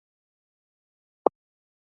زړه د نرم چلند محرک دی.